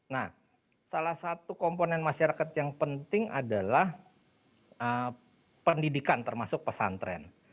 nah salah satu komponen masyarakat yang penting adalah pendidikan termasuk pesantren